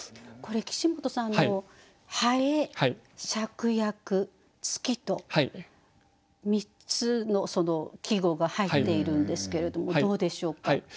岸本さん「蠅」「芍薬」「月」と３つの季語が入っているんですけれどもどうでしょうか？